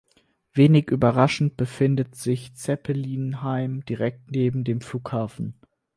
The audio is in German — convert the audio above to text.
Wenig überraschend befindet sich Zeppelinheim direkt neben dem Flughafen.